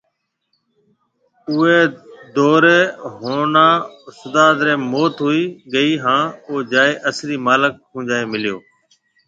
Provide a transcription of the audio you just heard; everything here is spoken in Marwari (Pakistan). اوئي دئوري ھوناستاد ري موت ھوئي گئي ھان او جائي اصلي مالڪ ھونجائي مليو